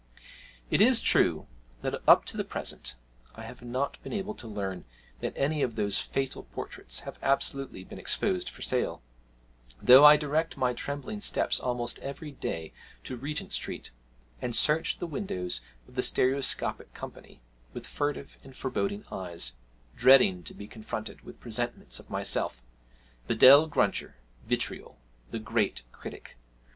It is true that, up to the present, I have not been able to learn that any of those fatal portraits have absolutely been exposed for sale, though I direct my trembling steps almost every day to Regent Street, and search the windows of the Stereoscopic Company with furtive and foreboding eyes, dreading to be confronted with presentments of myself Bedell Gruncher, 'Vitriol,' the great critic!